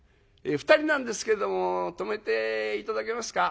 「２人なんですけども泊めて頂けますか？」。